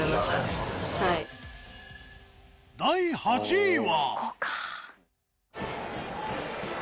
第８位は。